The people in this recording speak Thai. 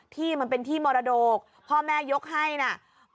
ที่มันเป็นที่มรดกพ่อแม่ยกให้นะ